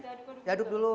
ya kita aduk aduk dulu